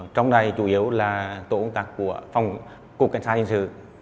trong đây chủ yếu là tổ công tác của cục cảnh sát dân sự